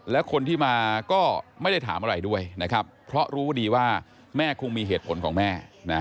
และคนที่มาก็ไม่ได้ถามอะไรด้วยนะครับเพราะรู้ดีว่าแม่คงมีเหตุผลของแม่